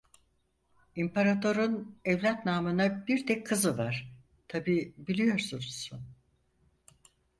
İmparator'un evlat namına bir tek kızı var, tabii biliyorsunuz.